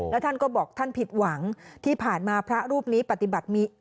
แล้วท่านก็บอกท่านผิดหวังที่ผ่านมาพระรูปนี้ปฏิบัติมี